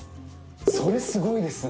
それすごいですね。